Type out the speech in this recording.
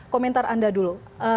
komentar anda dulu